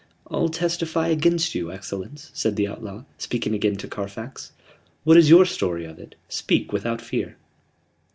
"All testify against you, excellence," said the outlaw, speaking again to Carfax. "What is your story of it? Speak without fear."